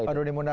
pak doni munar